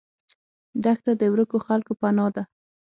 دښته د ورکو خلکو پناه ده.